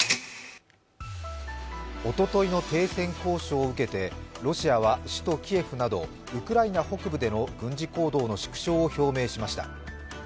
おとといの停戦交渉を受けてロシアは首都キエフなど、ウクライナ北部での軍事行動の縮小を表明しました。